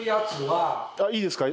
いいですか？